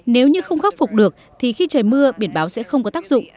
nếu như không khắc phục được thì khi trời mưa biển báo sẽ không có tác dụng